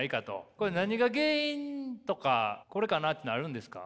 これ何が原因とかこれかなっていうのあるんですか？